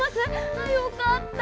あっよかった。